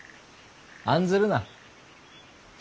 案ずるな。